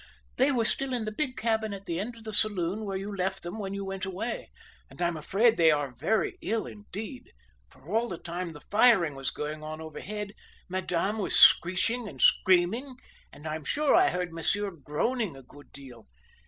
"They are still in the big cabin at the end of the saloon where you left them when you went away, and, I'm afraid they are very ill indeed, for all the time the firing was going on overhead Madame was screeching and screaming, and I am sure I heard Monsieur groaning a good deal.